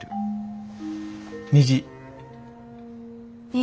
虹。